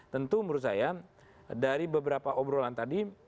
tentu menurut saya dari beberapa obrolan tadi